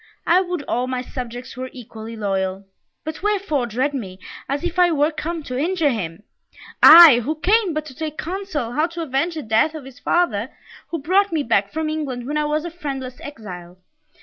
I would all my subjects were equally loyal! But wherefore dread me, as if I were come to injure him? I, who came but to take counsel how to avenge the death of his father, who brought me back from England when I was a friendless exile.